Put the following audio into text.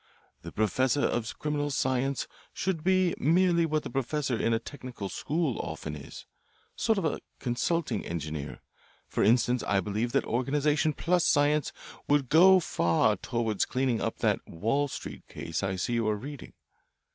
The professor of criminal science should be merely what the professor in a technical school often is a sort of consulting engineer. For instance, I believe that organisation plus science would go far toward clearing up that Wall Street case I see you are reading."